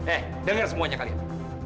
eh dengar semuanya kalian